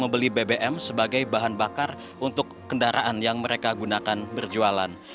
membeli bbm sebagai bahan bakar untuk kendaraan yang mereka gunakan berjualan